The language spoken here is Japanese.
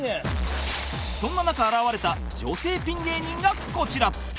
そんな中現れた女性ピン芸人がこちら